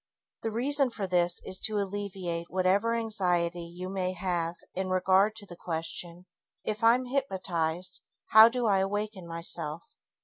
The reason for this is to alleviate whatever anxiety you may have in regard to the question, "If I'm hypnotized, how do I awaken myself?"